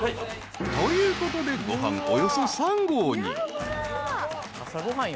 ［ということでご飯およそ３合に］